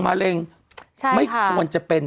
ไม่ควรจะเป็น